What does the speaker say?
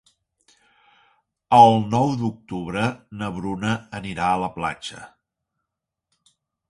El nou d'octubre na Bruna anirà a la platja.